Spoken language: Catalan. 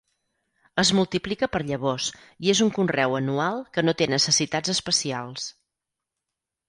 Es multiplica per llavors i és un conreu anual que no té necessitats especials.